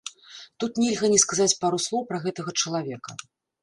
Тут нельга не сказаць пару слоў пра гэтага чалавека.